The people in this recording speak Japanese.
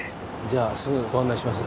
じゃあすぐご案内します。